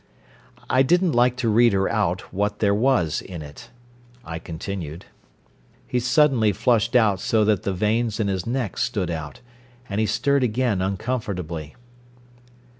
"I didn't like to read her out what there was in it," I continued. He suddenly flushed out so that the veins in his neck stood out, and he stirred again uncomfortably.